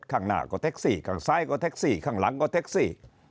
ข้างหน้าก็เท็กซี่ข้างซ้ายก็แท็กซี่ข้างหลังก็เท็กซี่